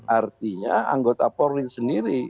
artinya anggota polri sendiri